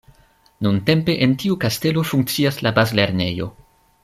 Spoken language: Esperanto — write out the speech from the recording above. Nuntempe en tiu kastelo funkcias la bazlernejo.